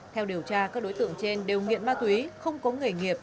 theo điều tra các đối tượng trên đều nghiện ma túy không có nghề nghiệp